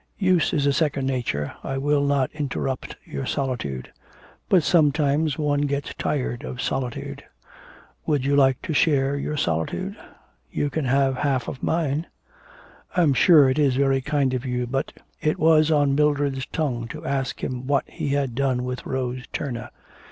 'Use is a second nature, I will not interrupt your solitude.' 'But sometimes one gets tired of solitude.' 'Would you like to share your solitude? You can have half of mine.' 'I'm sure it is very kind of you, but ' It was on Mildred's tongue to ask him what he had done with Rose Turner.